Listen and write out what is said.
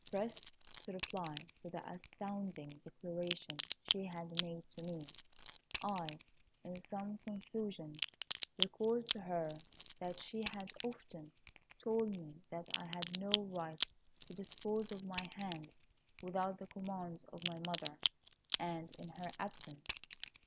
Pressed to reply to the astounding declaration she had made to me, I, in some confusion, recalled to her that she had often told me that I had no right to dispose of my hand without the commands of my mother, and in her absence.